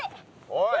おい。